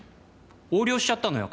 横領しちゃったのよ